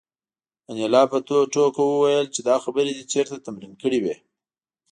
انیلا په ټوکه وویل چې دا خبرې دې چېرته تمرین کړې وې